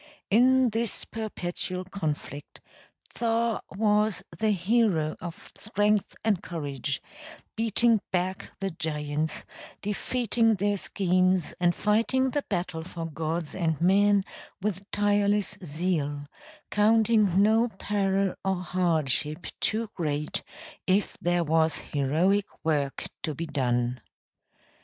In this perpetual conflict Thor was the hero of strength and courage, beating back the giants, defeating their schemes and fighting the battle for gods and men with tireless zeal; counting no peril or hardship too great if there was heroic work to be done.